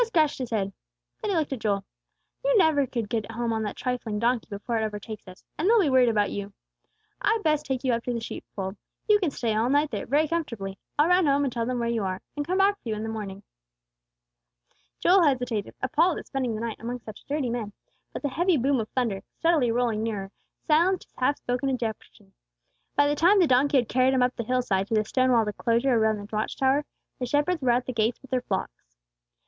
Buz scratched his head. Then he looked at Joel. "You never could get home on that trifling donkey before it overtakes us; and they'll be worried about you. I'd best take you up to the sheep fold. You can stay all night there, very comfortably. I'll run home and tell them where you are, and come back for you in the morning." Joel hesitated, appalled at spending the night among such dirty men; but the heavy boom of thunder, steadily rolling nearer, silenced his half spoken objection. By the time the donkey had carried him up the hillside to the stone walled enclosure round the watch tower, the shepherds were at the gates with their flocks.